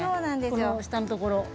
この下のところ。